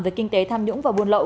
về kinh tế tham nhũng và buôn lậu